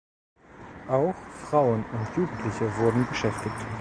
Auch Frauen und Jugendliche wurden beschäftigt.